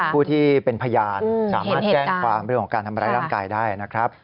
ผู้ที่เป็นพยานสามารถแจ้งความเรื่องของการทำร้ายร่างกายได้นะครับ